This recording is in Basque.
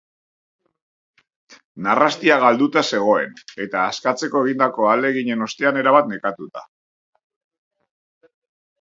Narrastia galduta zegoen, eta askatzeko egindako ahaleginen ostean erabat nekatuta.